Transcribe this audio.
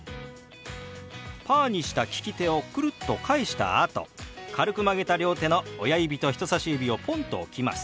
パーにした利き手をくるっと返したあと軽く曲げた両手の親指と人さし指をポンと置きます。